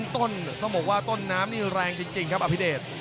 ต้นต้องบอกว่าต้นน้ำนี่แรงจริงครับอภิเดช